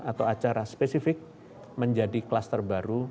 atau acara spesifik menjadi kluster baru